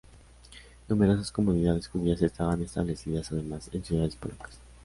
Numerosas comunidades judías estaban establecidas, además, en ciudades polacas.